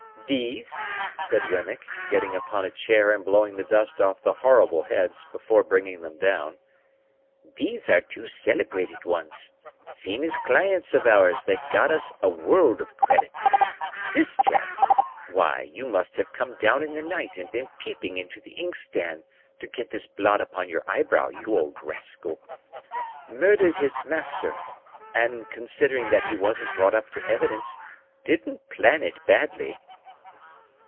"These?" said Wemmick, getting upon a chair, and blowing the dust off the horrible heads before bringing them down. "These are two celebrated ones. Famous clients of ours that got us a world of credit. This chap (why you must have come down in the night and been peeping into the inkstand, to get this blot upon your eyebrow, you old rascal!) murdered his master, and, considering that he wasn't brought up to evidence, didn't plan it badly."